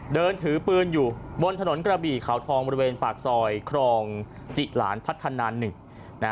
เดินถือปืนอยู่บนถนนกระบี่ขาวทองบริเวณปากซอยครองจิหลานพัฒนา๑